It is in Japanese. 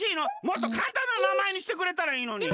もっとかんたんななまえにしてくれたらいいのに。